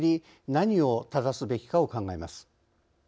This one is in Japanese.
何を正すべきかを考えます。